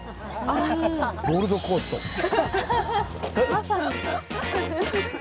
まさに。